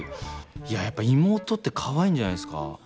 いややっぱ妹ってかわいいんじゃないですか。